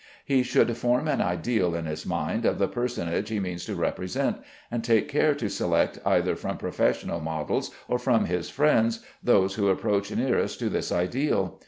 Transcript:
He should form an ideal in his mind of the personage he means to represent, and take care to select either from professional models or from his friends those who approach nearest to this ideal.